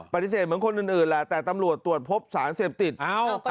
ปฏิเสธเหมือนคนอื่นแหละแต่ตำรวจตรวจพบสารเสพติด